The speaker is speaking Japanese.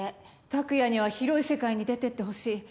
拓也には広い世界に出ていってほしい。